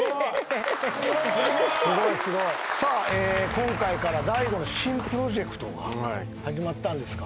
今回から大悟の新プロジェクトが始まったんですか？